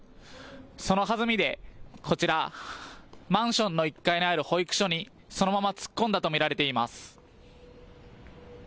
そのはずみでこちら、マンションの１階にある保育所にそのまま突っ込んだと見られています。